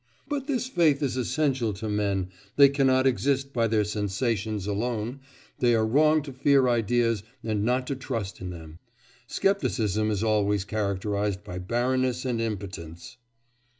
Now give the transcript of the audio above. But this faith is essential to men; they cannot exist by their sensations alone, they are wrong to fear ideas and not to trust in them. Scepticism is always characterised by barrenness and impotence.